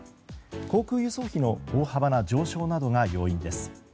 航空輸送費の大幅な上昇などが要因です。